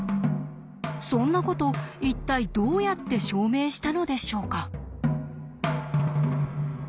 そんなこと一体どうやって証明したのでしょうか。